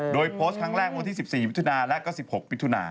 โดยโพสต์ครั้งแรกวันที่๑๔มิถุนาและก็๑๖มิถุนา